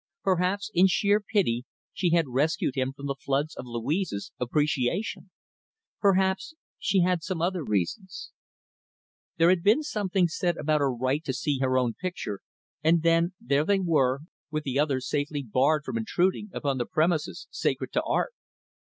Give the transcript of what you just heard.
Perhaps, in sheer pity, she had rescued him from the floods of Louise's appreciation. Perhaps she had some other reasons. There had been something said about her right to see her own picture, and then there they were with the others safely barred from intruding upon the premises sacred to art.